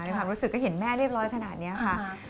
ความรู้สึกก็เห็นแม่เรียบร้อยขนาดนี้ค่ะ